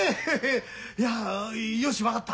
いやよし分かった。